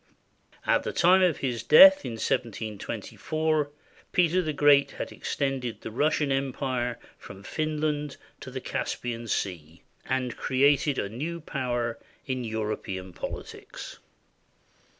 At the time of his death, in 1724, Peter the Great had ex tended the Russian Empire from Finland to the Caspian Sea and created a new power in European politics.